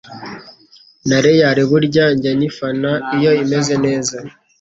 Na real burya njya nyifana iyo imeze neza